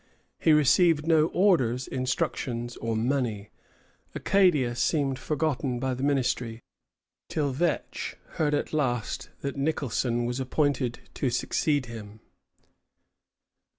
He received no orders, instructions, or money. Acadia seemed forgotten by the ministry, till Vetch heard at last that Nicholson was appointed to succeed him.